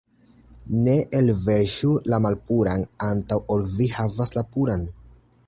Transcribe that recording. Ne elverŝu la malpuran, antaŭ ol vi havas la puran.